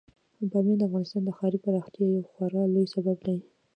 بامیان د افغانستان د ښاري پراختیا یو خورا لوی سبب دی.